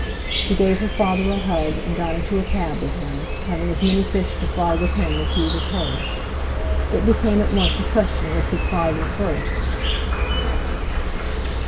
She gave her father a hug, and got into a cab with him, having as many fish to fry with him as he with her. It became at once a question which would fry them first.